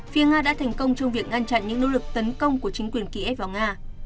phía nga đã thành công trong việc ngăn chặn những nỗ lực tấn công của chính quyền kiev vào nga